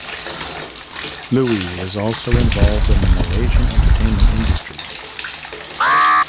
Looi is also involved in the Malaysian entertainment industry.